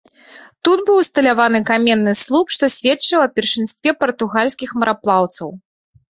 Тут быў усталяваны каменны слуп, што сведчыў аб першынстве партугальскіх мараплаўцаў.